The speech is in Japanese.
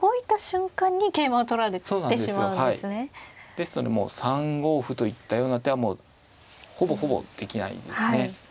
ですのでもう３五歩といったような手はほぼほぼできないですね。